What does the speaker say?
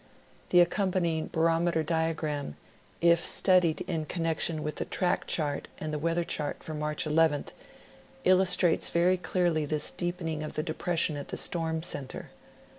The accompanying Barometer Diagram, if studied in connection with the Track Chart and the Weather Chart for March 11th, illustrates very clearly this deepening of the depression at the storm center.